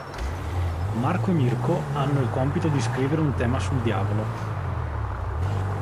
Marco e Mirko hanno il compito di scrivere un tema sul diavolo.